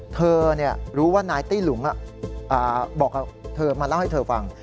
เธอรู้ว่านายตี้หลุงมาเล่าให้เธอฟัง